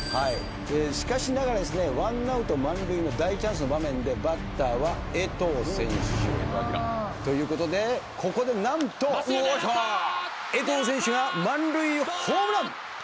しかしながら１アウト満塁の大チャンスの場面でバッターは。ということでここでなんと江藤選手が満塁ホームラン！